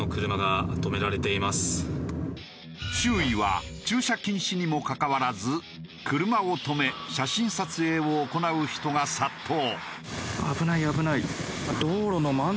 周囲は駐車禁止にもかかわらず車を止め写真撮影を行う人が殺到。